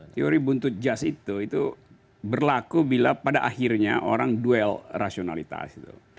teori buntut jas itu itu berlaku bila pada akhirnya orang duel rasionalitas